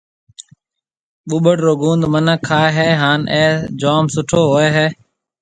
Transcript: ٻُٻڙ رو گُوند مِنک کائي هيَ هانَ اَي جوم سُٺو هوئي هيَ۔